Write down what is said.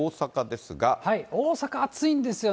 大阪、暑いんですよね。